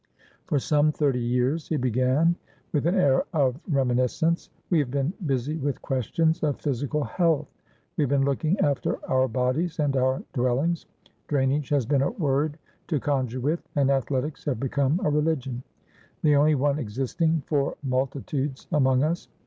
"For some thirty years," he began, with an air of reminiscence, "we have been busy with questions of physical health. We have been looking after our bodies and our dwellings. Drainage has been a word to conjure with, and athletics have become a religionthe only one existing for multitudes among us.